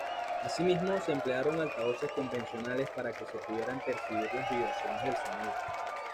Asimismo, se emplearon altavoces convencionales para que se pudieran percibir las vibraciones del sonido.